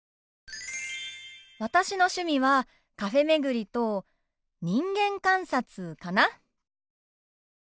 私の趣味はカフェ巡りと人間観察かな。